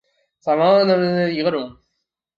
伞房双药芒为禾本科双药芒属下的一个种。